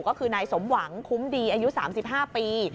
ก็คือนายสมหวังคุ้มดีอายุ๓๕ปี